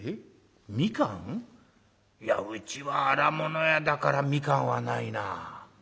いやうちは荒物屋だから蜜柑はないなあ。